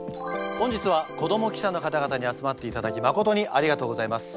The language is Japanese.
本日は子ども記者の方々に集まっていただきまことにありがとうございます。